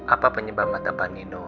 apa penyebab mata pal nino